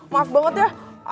maaf banget ya